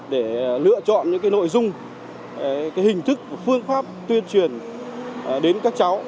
để lựa chọn những nội dung hình thức phương pháp tuyên truyền đến các cháu